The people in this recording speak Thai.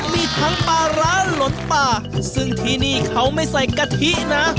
มีทั้งปลาร้าหลนปลาซึ่งที่นี่เขาไม่ใส่กะทินะ